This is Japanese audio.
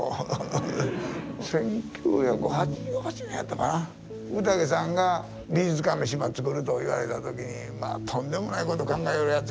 １９８８年やったかな福武さんが美術館の島つくると言われた時にまあとんでもないこと考えるやつやなと。